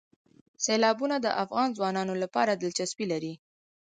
سیلابونه د افغان ځوانانو لپاره دلچسپي لري.